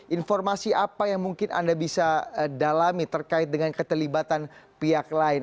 informasi apa yang mungkin anda bisa dalami terkait dengan keterlibatan pihak lain